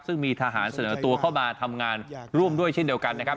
ซึ่งมีทหารเสนอตัวเข้ามาทำงานร่วมด้วยเช่นเดียวกันนะครับ